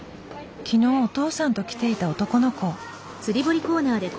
昨日お父さんと来ていた男の子。